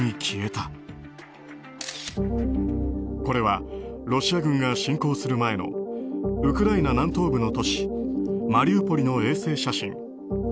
これはロシア軍が侵攻する前のウクライナ南東部の都市マリウポリの衛星写真。